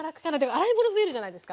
洗い物増えるじゃないですか。